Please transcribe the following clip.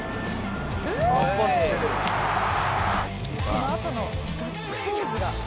「このあとのガッツポーズが」